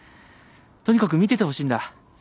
とにかく見ててほしいんだ。